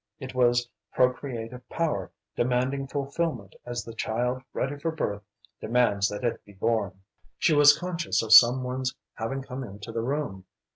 It was procreative power demanding fulfillment as the child ready for birth demands that it be born. She was conscious of some one's having come into the room.